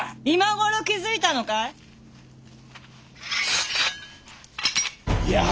今頃気付いたのかい？